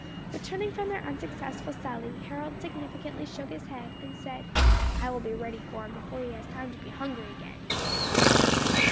Returning from their unsuccessful sally, Harold significantly shook his head, and said, "I will be ready for him before he has time to be hungry again."